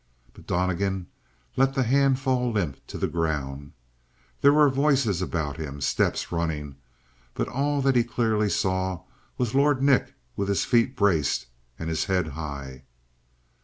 But Donnegan let the hand fall limp to the ground. There were voices about him; steps running; but all that he clearly saw was Lord Nick with his feet braced, and his head high.